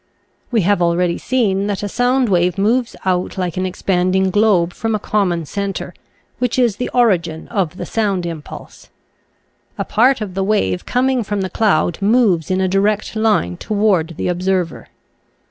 We have already seen that a sound wave moves out like an ex panding globe from a common center, which is the origin of the sound impulse. A part of the wave coming from the cloud moves in a direct line toward the observer.